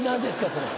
それ。